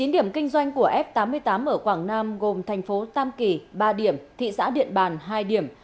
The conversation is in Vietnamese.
chín điểm kinh doanh của f tám mươi tám ở quảng nam gồm thành phố tam kỳ ba điểm thị xã điện bàn hai điểm